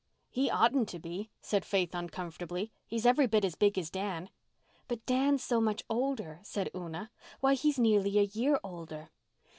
"He oughtn't to be," said Faith uncomfortably. "He's every bit as big as Dan." "But Dan's so much older," said Una. "Why, he's nearly a year older."